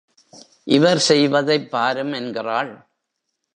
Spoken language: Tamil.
இவர் செய்வதைப் பாரும் என்கிறாள்.